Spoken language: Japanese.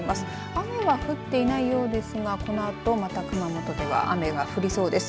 雨は降っていないようですがこのあとまた熊本では雨が降りそうです。